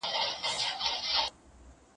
زه به سبا کتابتون ته ځم!.